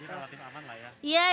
jadi kreatif aman lah ya